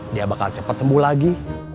dia bakal cepat sembuh lagi